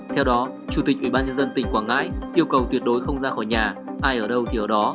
theo đó chủ tịch ubnd tỉnh quảng ngãi yêu cầu tuyệt đối không ra khỏi nhà ai ở đâu thì ở đó